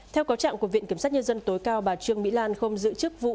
theo cáo trạng của viện kiểm sát nhân dân tối cao bà trương mỹ lan không giữ chức vụ